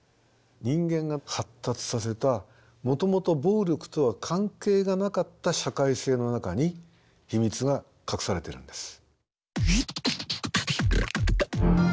人間が発達させたもともと暴力とは関係がなかった社会性の中に秘密が隠されているんです。